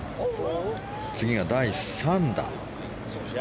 次が第３打。